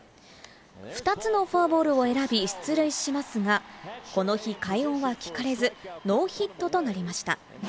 ２つのフォアボールを選び、出塁しますが、この日、快音は聞かれず、ノーヒットとなりました。